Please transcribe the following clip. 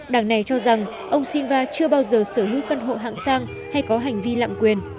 đảng này cho rằng ông silva chưa bao giờ sở hữu căn hộ hạng sang hay có hành vi lạm quyền